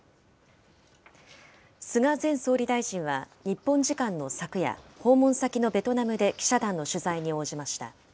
菅前総理大臣は日本時間の昨夜、訪問先のベトナムで記者団の取材に応じました。